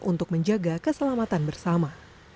untuk menjaga keselamatan bersama